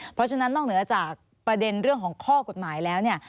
เพราะฉะนั้นนอกเหนือจากประเด็นเรื่องของข้อกฎหมายแล้วเนี่ย